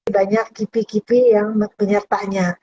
banyak kipik kipik yang penyertanya